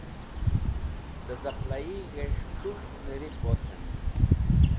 De Caqlaig̃h es̃h Kuk̃ht Nirip wocen